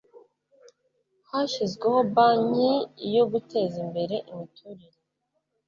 hashyizweho banki yo guteza imbere imiturire